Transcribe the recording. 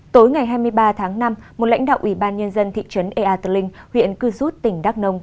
tối ngày hai mươi ba tháng năm một lãnh đạo ủy ban nhân dân thị trấn ea tờ linh huyện cư rút tỉnh đắk nông